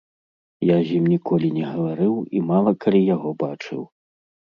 Я з ім ніколі не гаварыў і мала калі яго бачыў.